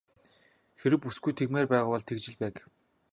Хэрэв бүсгүй тэгмээр байгаа бол тэгж л байг.